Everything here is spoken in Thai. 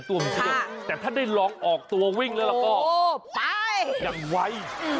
แต่ถ้าได้ลองออกตัววิ่งแล้วล่ะก็ยังไว้โอ้โฮไป